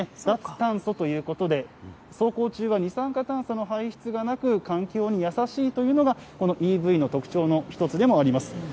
脱炭素ということで、走行中は二酸化炭素の排出がなく、環境に優しいというのがこのＥＶの特徴の一つでもあります。